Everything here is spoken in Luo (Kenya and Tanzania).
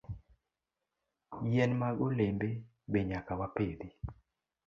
Yien mag olembe be nyaka wapidhi.